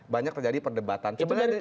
banyak terjadi perdebatan